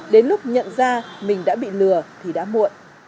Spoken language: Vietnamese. đến lúc nhận ra mình đã bị lừa thì đã muộn